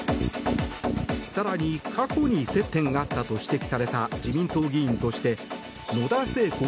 更に、過去に接点があったと指摘された自民党議員として野田聖子